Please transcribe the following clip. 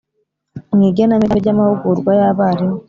mu igenamigambi ry amahugurwa y abarimu